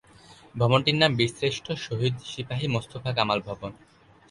ভবনটির নাম বীরশ্রেষ্ঠ শহীদ সিপাহী মোস্তফা কামাল ভবন।